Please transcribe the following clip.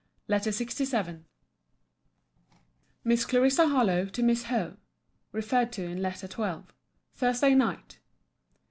LETTER LXVII MISS CLARISSA HARLOWE, TO MISS HOWE [REFERRED TO IN LETTER XII.] THURSDAY NIGHT.